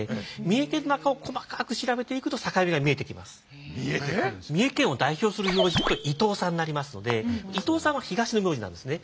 それでも大体三重県を代表する名字は伊藤さんになりますので伊藤さんは東の名字なんですね。